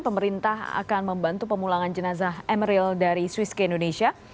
pemerintah akan membantu pemulangan jenazah emeril dari swiss ke indonesia